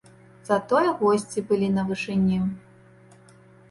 Затое госці былі на вышыні.